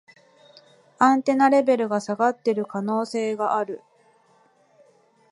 アンテナレベルが下がってる可能性がある